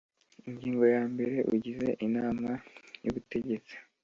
Ingingo ya mbere Ugize inama y ubutegetsi